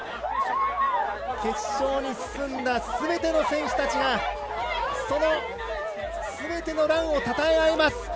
決勝に進んだ全ての選手たちがその全てのランを称え合います。